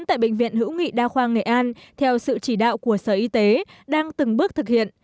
tại bệnh viện hữu nghị đa khoa nghệ an theo sự chỉ đạo của sở y tế đang từng bước thực hiện